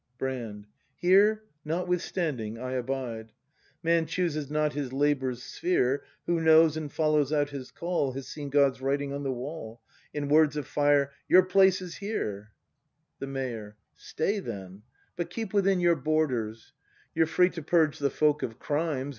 Brand. Here, notwithstanding, I abide. Man chooses not his labour's sphere. Who knows and follows out his call. Has seen God's writing on the wall, In words of fire, "Your place is here!" ACT III] BRAND 133 The Mayor. Stay, then, but keep within your borders; You're free to purge the folk of crimes.